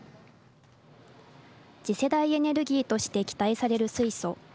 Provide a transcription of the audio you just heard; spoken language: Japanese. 次世代エネルギーとして期待される水素。